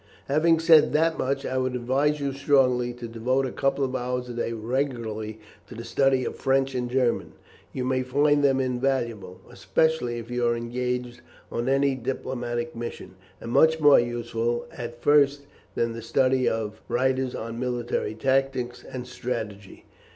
"Having said this much, I would advise you strongly to devote a couple of hours a day regularly to the study of French and German. You may find them invaluable, especially if you are engaged on any diplomatic mission, and much more useful at first than the study of writers on military tactics and strategy.